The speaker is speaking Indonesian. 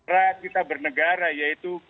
ras kita bernegara yaitu